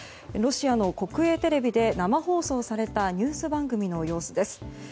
ロシアの国営テレビで生放送されたニュース番組の様子です。